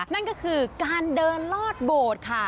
นั่นก็คือการเดินลอดโบสถ์ค่ะ